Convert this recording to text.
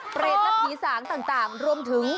เปรตและผีสางต่างรวมถึง